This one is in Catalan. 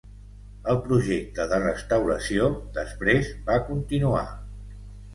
El projecte de restauració després va continuar.